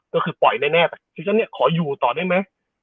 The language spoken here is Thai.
ก็คือปล่อยแน่ไปซิชั่นเนี่ยขออยู่ต่อได้มั้ย